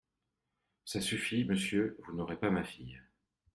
Ça suffit, monsieur… vous n’aurez pas ma fille.